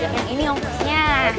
yang ini omosnya